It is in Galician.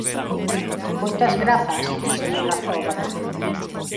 Moitas grazas, señora Zobra.